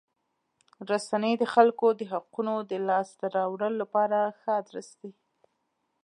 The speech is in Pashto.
رسنۍ د خلکو د حقوقو د لاسته راوړلو لپاره ښه ادرس دی.